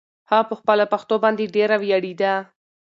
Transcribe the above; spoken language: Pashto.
هغه په خپله پښتو باندې ډېره ویاړېده.